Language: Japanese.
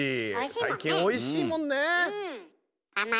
最近おいしいもんね。